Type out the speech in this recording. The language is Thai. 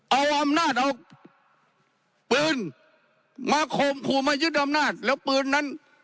เอาอำนาจเอาปืนมาข่มขู่มายึดอำนาจแล้วปืนนั้น